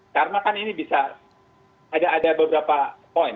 karena kan ini bisa ada beberapa poin